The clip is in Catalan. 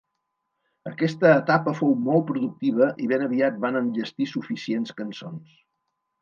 Aquesta etapa fou molt productiva i ben aviat van enllestir suficients cançons.